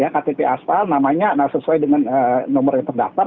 ktp aspal namanya sesuai dengan nomor yang terdapat